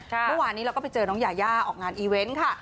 เมื่อวานนี้เราก็ไปเจอน้องยายาออกงานอีเวนต์ค่ะ